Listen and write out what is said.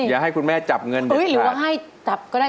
อย่าให้คุณแม่จับเงินหรือว่าให้จับก็ได้